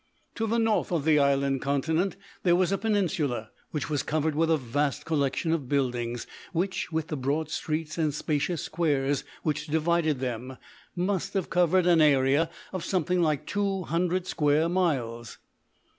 To the north of the Island Continent there was a peninsula, which was covered with a vast collection of buildings, which, with the broad streets and spacious squares which divided them, must have covered an area of something like two hundred square miles.